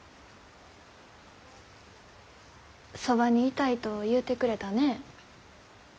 「そばにいたい」と言うてくれたね。